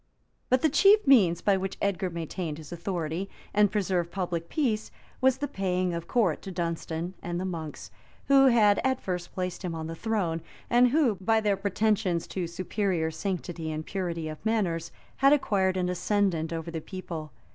But the chief means by which Edgar maintained his authority, and preserved public peace, was the paying of court to Dunstan and the monks, who had at first placed him on the throne, and who, by their pretensions to superior sanctity and purity of manners, had acquired an ascendant over the people.